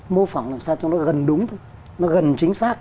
mô phỏng làm sao cho nó gần đúng thôi nó gần chính xác